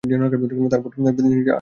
তার পর থেকে নীরজা আর উঠতে পারলে না।